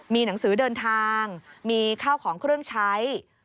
มีหนังสือเดินทางมีข้าวของเครื่องใช้